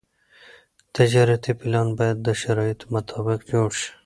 تجارتي پلان باید د شرایطو مطابق جوړ شي.